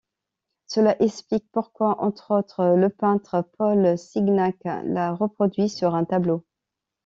Cela explique pourquoi, entre autres, le peintre Paul Signac l’a reproduit sur un tableau.